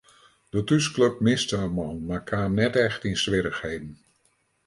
De thúsklup miste in man mar kaam net echt yn swierrichheden.